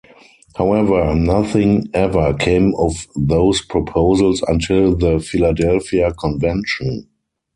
However, nothing ever came of those proposals until the Philadelphia Convention.